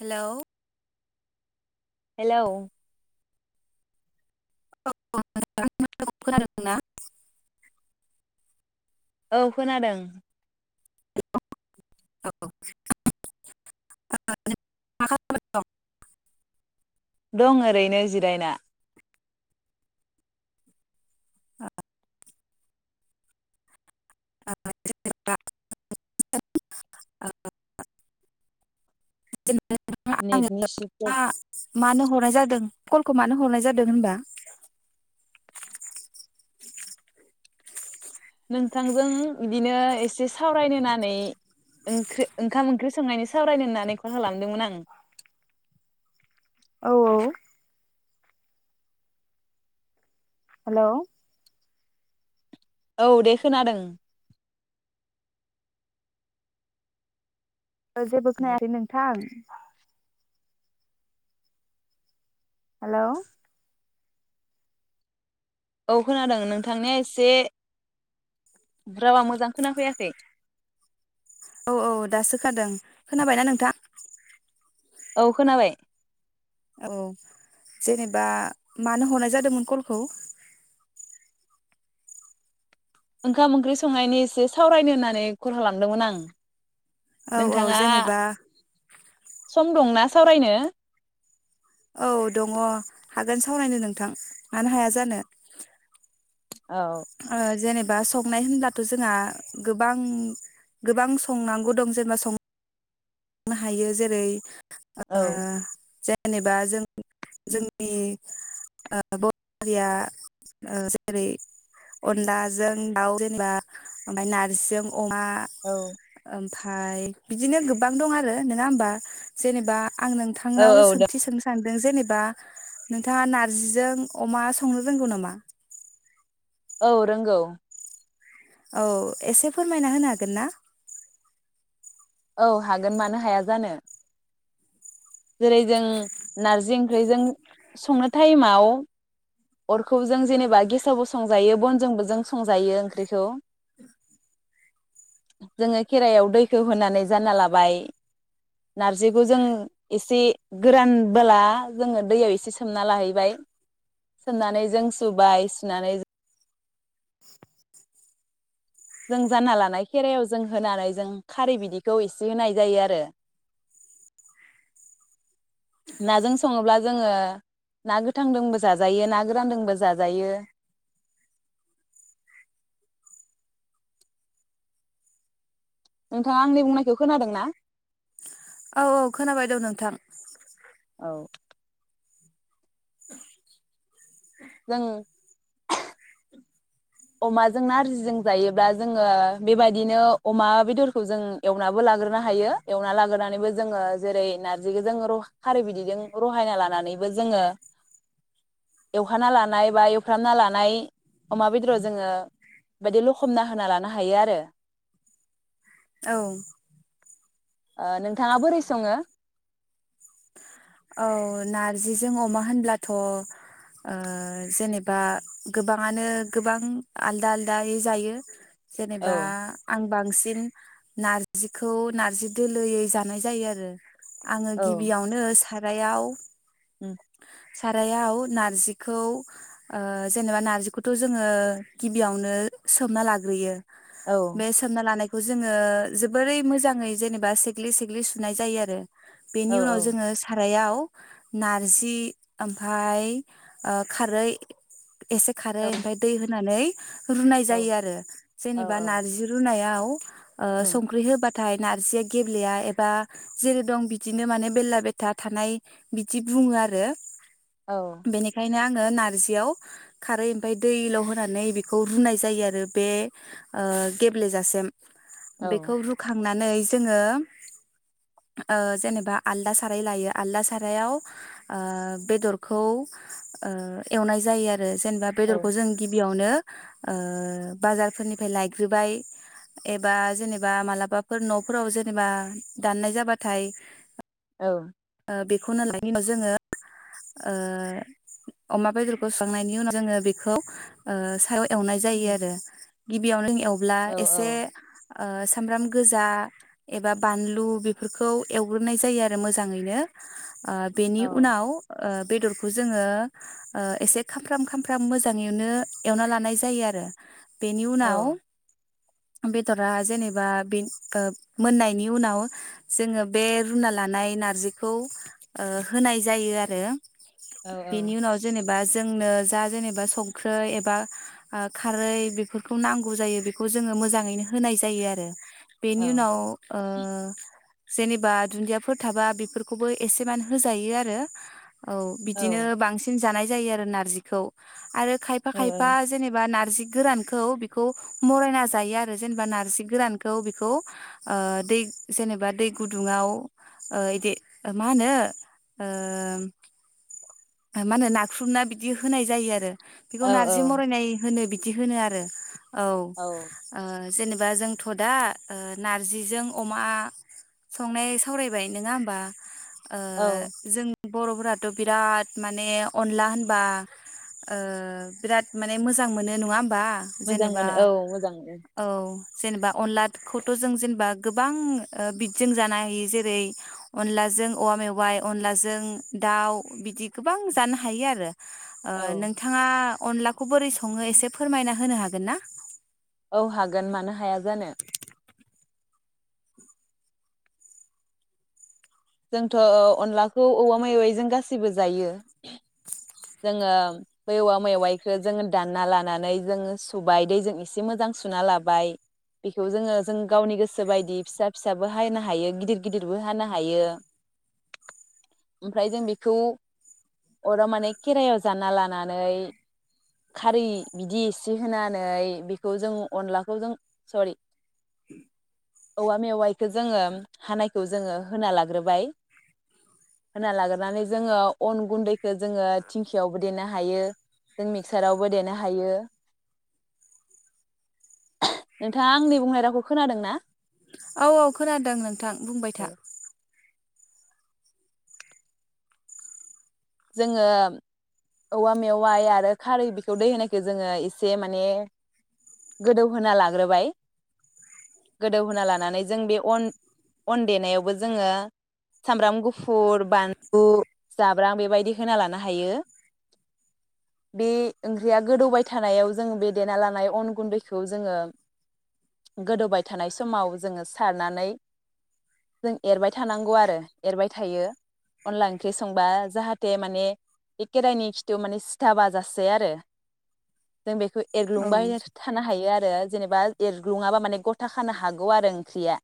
हेल' hello औ नोंथांआ आंनि माथोखौ खोनादोंना? औ खोनादों। [inaudible] [inaudible] [unintelligible] [inaudible] नेट आङो नि [inaudible] मा मानो हरनाय जादों कलखौ मानो हरनाय जादों होनबा? नोंथांजों बिदिनो एसे सावरायनो होननानै ओंख्रि ओंखाम ओंख्रि संनायनि सावरायनो होननानै कल खालामदोंमोन आं। औ औ हेल' औ दे खोनादों जेबो खोनायाखै नोंथां हेलौ औ खोनादों नोंथांनिया एसे रावा मोजां खोनाफैयाखै। औ औ दासो खोनादों खोनाबायना नोंथां? औ खोनाबाय। औ जेनेबा मानो हरनाय जादोंमोन कलखौ? ओंखाम ओंख्रि संनायनि एसे सावरायनो होननानै कल खालामदोंमोन आं। औ औ नोंथाङा जेनेबा सम दंना सावरायनो? औ दङ' हागोन सावरायनो नोंथां मानो हाया जानो‌। औ ओ जेनेब बा संनाय होनब्लाथ' जोंहा गोबां गोबां संनांगौ दं जेनेबा सं नो हायो जेरै ओ औ जे जेनेबा जों जोंनि ओ बर' हारिया ओ जेरै अनलाजों दाउ जेनेबा ओमफाय नारजिजों अमा औ ओम फाय बिदिनो गोबां दं आरो नङा होमबा जेनेबा आं औ नोंथांनाव औ सोंथि सोंनो सानदों जेनेबा बा नोंथाङा नारजिजों अमा संनो रोंगौ नामा? औ रोंगौ । औ एसे फोरमायना होनो हागोन ना? औ हागोन मानो हाया जानो । जेरै जों नारजि ओंख्रिजों संनो टाइमाव अरखौ जों जेनेबा गेसावबो संजायो बनजोंबो जों संजायो ओंख्रिखौ जोङो खेरायाव दैखौ होनानै जान्ना लाबाय नारजिखौ जों एसे गोरानबोला जोङो दैयाव एसे सोमना लाहैबाय सोमनानै जों सुबाय सुनानै जों जान्ना लानाय खेरायाव जों होनानै जों खारै बिदिखौ इसे होनाय जायो आरो नाजों सङोब्ला जोङो ना गोथांदोंबो जाजायो ना गोरानदोंबो जाजायो नोंथाङा आंनि बुंनायखौ खोनादों ना? औ औ खोनाबाय दं नोंथां । औ [inaudible] जों [unintelligible] अमाजों नारजिजों जायोब्ला जोङो बेबायदिनो अमा बेदरखौ जों एवनाबो लाग्रोनो हायो एवना लाग्रोनानैबो जोङो जेरै नारजिखौ र खारै बिदैजों रहायना लानानैबो जोङो एवखाना लानाय बा एवफ्रामना लानाय अमा बेदराव जोङो बेदि लखमना होना लानो हायो आरो । औ । ओ नोंथाङा बोरै सङो? औ नारजिजों अमा होनब्लाथ' ओ जेनेबा गोबाङानो गोबां आलदा आलदायै जायो । जेनेबा औ आं बांसिन नारजिखौ नारजि दोलोयै जानाय जायो आरो आं गिबियावनो साथ रायाव उम । सारायाव नारजिखौ ओ जेनेबा नारजिखौथ' जोङो गिबियावनो सोमना लाग्रोयो बे सोमना लानाय खौ जोङो जोबोरै मोजाङै जेनेबा सेग्लि सेग्लि सुनाय जायो आरो। औ बेनि उनाव जोङो सारायाव नारजि ओमफाय ओ खारै एसे औ खारै ओमफाय दै होनानै रुनाय औ जायो आरो औ जेनेबा नारजि रुनायाव [unintelligible] ओ औ संख्रि होबाद नाथाय नारजिया गेब्लेया एबा जेरै दं बिद बिदिनो माने बेरला बेथा थानाय बिदि बुङो आरो। औ बिनो आङो नारजियाव खारै ओमफ्राय दैल' होन्नानै बेखौ रुनाय जायो आरो बे ओ गेब्लेजासेम। बेखौ रुखांनानै जोङो ओ जेनेबा आलदा साराय लायो आलदा सारायाव ओ बेदरखौ ओ एवनाय जायो आ रो जेनबा औ बेदरखौ जों गिबियाव नो ओ बाजारफोरनिफ्राय लायग्रोबाय एबा जेनेबा मालाबाफोर न'फोराव जेनेबा दाननाय जाबाथाय औ ओ बेखौनो लाय [unintelligible] नि उनाव जोङो ओ अमा बेदरखौ संनायनि उनाव जोङो बेखौ सायाव एवनाय जायो आरो गिबियावनो एव अब्ला एसे ओ सामब्राम गोजा एबा बानलु बेफोरखौ एवग्रोनाय जायो आरो मोजाङै [unintelligible] ओ बेनि उनाव ओ बेदरखौ जोङो ओ एसे खामफ्राम खामफ्राम मोजाङैनो एवना लानाय जायो आरो। बेनि उनाव बेदरा जेनेबा बे ओ मोननायनि उनाव जोङो बे रुना लानाय नारजि बेखौ ओ होनाय जायो आरो। बिनि उनाव जेनेब बा जोंनो जा जेनेबा संख्रै एबा ओ खारै बेफोरखौ नांगौ जायो बेखौ जोङो मोजाङैनो होनाय जायो आरो बेनि उनाव ओ जेनेबा दुन्दियाफोर थाबा बिफोर खौबो एसेमान होजायो आरो। औ बिदिनो बांसिन जानाय जायो आरो नारजिखौ आरो खायफा औ खायफा जेनेबा नारजि गोरानखौ बेखौ मरायना जायो आरो जेनेबा नार्जि गोरानखौ बेखौ दै जेनेबा दै गुदुङाव बिदि माहोनो ओम माहोनो नाख्रुबना बिदि होनाय जायो आरो औ बेखौ नारजि मरायनाय होनो बिदि बिदि होनो आरो औ जेनेबा जोंथ' दा नारजिजों अमा संनाय सावरायबाय नङा होमबा ओ औ जों बर'फोराथ' बिराद माने अनला होनबा ओ बिराद माने मोजां मोनो नङा होम बा मोजां जेनेबा मोनो औ मोजां मोनो औ जेनेबा अनलाखौथ' जों जेनेबा गोबां ओ बिदजों जानो हायो जेरै अनलाजों औवा मेवाइ अनलाजों दाउ बिदि गोबां जानो हायो आरो औ नोंथाङा अनलाखौ बोरै सङो एसे फोरमायना होनो हागोन ना औ हागोन मानो हाया जानो जोंथ' अनलाखौ औवा मवाइजों गासिबो जायो जोङो बवा मेवाइखो जोङो दानना लानानै जोङो सुबाय दैजों एसे मोजां सुना लाबाय बेखौ जोङो जों गावनि गोसो बायदि फिसा फिसाबो हानो हायो गिदिर गिदिरबो हानो हायो ओमफ्राय जों बेखौ अराव माने खेरायाव जाना लानानै खारै बिदि एसे होनानै बेखौ जों अनलाखौ जों सरि औवा मेवाइखौ जोङो हानायखौ जोङो होना लाग्रोबाय होना लाग्रोनानै जोङो अन गुन्दैखौ जोङो थिंखियावबो देनो हायो जों मिक्सारावबो देनो हायो नोंथाङा आंनि बुंहनाय रावखौ खोनादों ना औ औ खोनादों नोंथां बुंबाय था जोङो औवा मेवाय आरो खारै बेखौ दै होनायखौ जोङो एसे माने गोदौहोना लाग्रोबाय गोदौहोना लानानै जों बे अन अन देनायावबो जोङो सामब्राम गुफुर बानलु जाब्रां बेबायदि बिदि होना लानो हायो बे ओंख्रिया गोदौबाय थानायाव जोंङ बे देना लानाय अन गुन्दैखौ जोङो गोदौबाय थानाय समाव जोङो सारनानै जों एरबाय थानांगौ आरो एरबाय थायो अनला ओंख्रि संबा जाहाथे जे माने खेराइनि खिथु माने सिथा बाजासै आरो जों बेखौ औ एरग्लुंबाय थानो हायो आरो जेनेबा एरग्लुङाबा माने गथा खानो हागोन आरो ओंख्रिया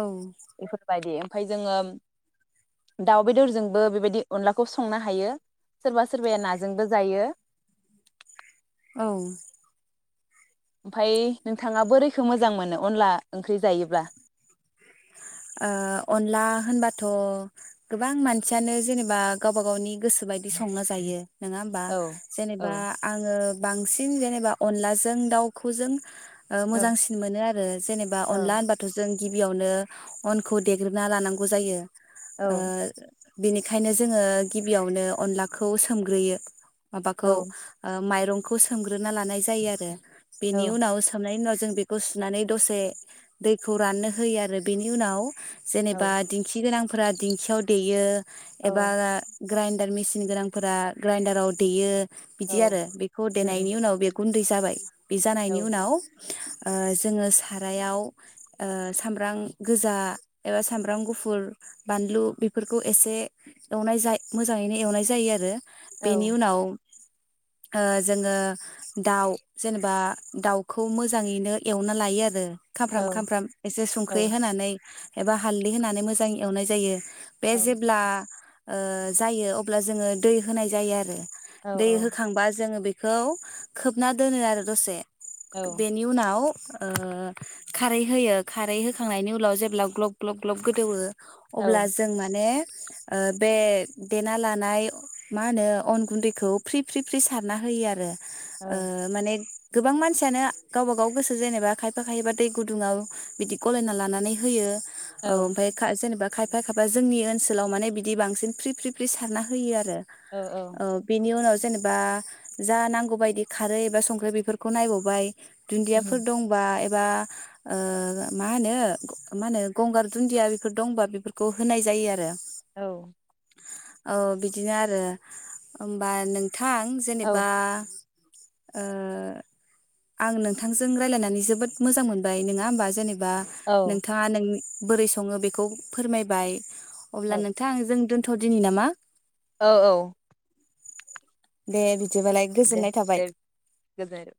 औ बेफोरबायदि ओमफफ्राय जोङो दाउ बेदरजोंबो बेबायदि अनलाखौ संनो हायो सोरबा सोरबाया नाजोंबो जायो औ ओमफफ्राय नोंथाङा बोरैखौ मोजां मोनो अनला ओंख्रि जायोब्ला अनला होनबाथ' गोबां मानसियानो जेनेबा गावबा गावनि गोसो बायदि बिदि संना जायो नोङा होमबा औ औ जेनेबा आङो बांसिन जेनेबा अनलाजों दाउखौ जों औ मोजांसिन मोनो आरो जेनेबा औ अनला होनबाथ' जों गिबियावनो अनखौ देग्रोबना लानांगौ जायो आ बेनिखायनो जोङो गिबियावनो अनलाखौ सोमग्रोयो। औ माबाखौ ओ माइरं खौ सोमग्रोना लानाय जायो आरो। बेनि उनाव सोमनायनि उनाव जों बेखौ सुनानै दसे दैखौ राननो होयो आरो। बेनि उनाव जेनेबा औ दिंखि गोनां फोरा दिंखियाव देयो। औ एबा। ग्राइडार मेसिन गोनांफोरा ग्राइडाराव देयो। बिदि औ आरो बेखौ उम उम देनायनि उनाव बे गुन्दै जाबाय। बे जानायनि औ उनाव। ओ जोङो सारायाव ओ सामब्रां। गोजा एबा सामब्राम गुफुर बानलु बेफोरखौ एसे एवनाय जा मोजाङैनो एवनाय जायो आरो। बेनि औ उनाव ओ जोङो दाउ जेनेबा दाउखौ मोजाङैनो एवना लायो आरो। औ खामफ्राम खामफ्राम एसे संख्रि। औ [unintelligible] होनानै। एबा हालदै होनानै मोजां एवनाय जायो। बे औ जेब्ला ओ जायो अब्ला जोङो दै होनाय जायो आरो। औ दै होखांबा जोङो बे खौ खोबना दोनो आरो दसे। औ बेनि उनाव ओ खारै होयो खारै खांनायनि उनाव जेब्ला ग्लब ग्लब ग्लब गोदौवो। औ अब्ला जों माने। ओ बे देना लानाय मा होनो अन गुन्दैखौ फ्रि फ्रि फ्रि सारना होयो आरो। ओ माने गोबां मानसियानो गावबा गाव गोसो जेनेबा खायफा खायबा दै गुदुङाव बिदि गलायना लानानै होयो। औ ओमफाय खा जेनेबा खायफा खायफा जोंनि ओनसोलाव माने बिदि बांसिन फ्रि फ्रि फ्रि सारना होयो आरो। औ ओ बेनि उनाव जेनेबा जा नांगौ बायदि खारै एबा संख्रि बेफोरखौ नायबावबाय। दुन्दियाफोर उम दंबा ए बा ओ मा होनो मा होनो गंगार दुन्दिया बेफोर दंबा बेफोरखौ होनाय जायो आरो औ। ओ बिदिनो आरो होनबा नों थां जेनेबा औ ओ आं नोंथांजों रायलायनानै जोबोद मोजां मोनबाय नङा होमबा जेने बा नोंथाङा नोंनि बोरै सङो बेखौ फोरमायबाय। अब्ला औ नोंथां जों दोन थ'दिनि नामा? औ औ। दे बि दिबालाय दे गोजोननाय थाबाय। दे गोजोननाय थाबाय।